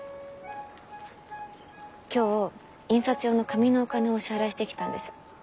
今日印刷用の紙のお金をお支払いしてきたんです。